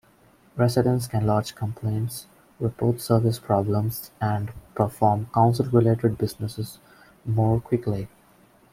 Residents can lodge complaints, report service problems, and perform council-related business more quickly.